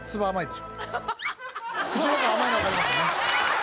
口の中甘いの分かりますよね？